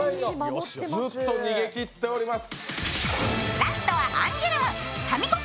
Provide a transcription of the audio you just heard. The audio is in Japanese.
ずっと逃げきっております。